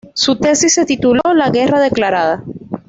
Su tesis se tituló "La guerra declarada.